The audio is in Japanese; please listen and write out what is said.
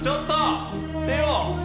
手を。